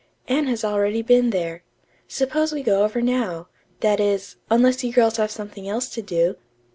Anne has already been there. Suppose we go over now; that is, unless you girls have something else to do."